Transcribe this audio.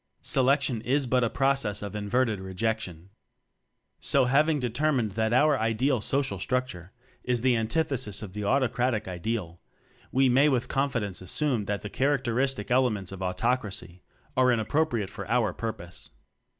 Selection is but a process of in verted rejection. So having deter mined that our ideal social structure is the antithesis of the Autocratic idea, we may with confidence assume that the characteristic elements of Auto cracy are inappropriate for our pur pose.